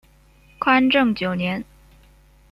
宽政九年。